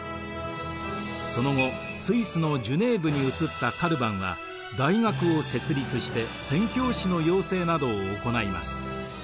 その後スイスのジュネーヴに移ったカルヴァンは大学を設立して宣教師の養成などを行います。